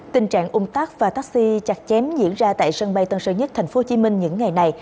tình trạng ung tắc và taxi chặt chém diễn ra tại sân bay tân sơn nhất tp hcm những ngày này